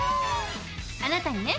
あなたにね